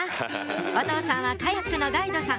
お父さんはカヤックのガイドさん